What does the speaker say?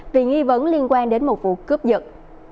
vì nghi vấn liên quan đến một vụ cướp giật